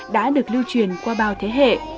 đã được lưu truyền qua bao thế hệ